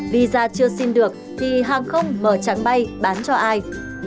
visa chưa xin được thì hàng không mở trắng bay bán cho ai